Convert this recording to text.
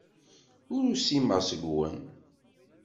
Ur usimeɣ seg-wen.